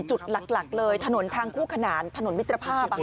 จุดหลักเลยถนนทางคู่ขนานถนนมิตรภาพ